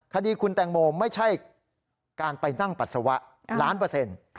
คดีคุณแตงโมไม่ใช่การไปนั่งปัสสาวะล้านเปอร์เซ็นต์